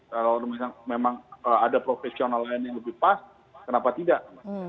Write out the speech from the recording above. kalau memang ada profesional lain yang lebih pas kenapa tidak